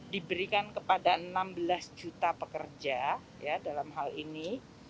diberikan kepada enam belas juta pekerja dalam hal ini